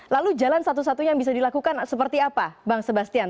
lalu jalan satu satunya yang bisa dilakukan seperti apa bang sebastian